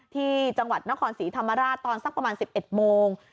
ที่จังหวัดนครศรีธรรมราชตอนสักประมาณ๑๑โมง